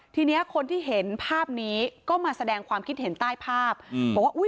ทีเนี้ยคนที่เห็นภาพนี้ก็มาแสดงความคิดเห็นใต้ภาพอืมบอกว่าอุ้ย